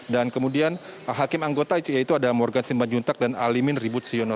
dan kemudian hakim anggota yaitu ada morgan siman juntak dan alimin ribut siono